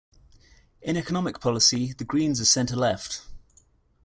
In economic policy, the greens are center-left.